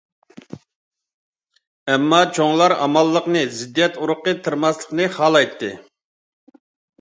ئەمما چوڭلار ئامانلىقنى، زىددىيەت ئۇرۇقى تېرىماسلىقنى خالايتتى.